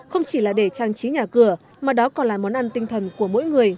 không chỉ là để trang trí nhà cửa mà đó còn là món ăn tinh thần của mỗi người